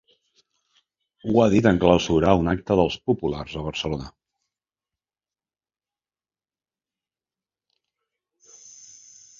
Ho ha dit en clausurar un acte dels populars a Barcelona.